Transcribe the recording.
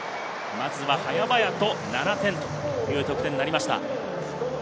早々と７点という得点になりました。